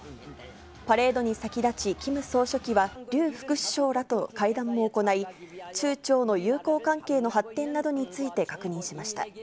パレードに先立ち、キム総書記は、劉副首相らと会談も行い、中朝の友好関係の発展などについて確認しました。